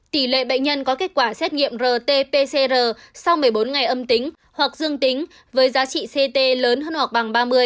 tỷ lệ bệnh nhân có kết quả xét nghiệm rt pcr sau một mươi bốn ngày âm tính hoặc dương tính với giá trị ct lớn hơn hoặc bằng ba mươi